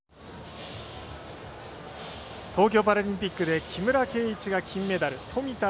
東京パラリンピックで木村敬一が金メダル富田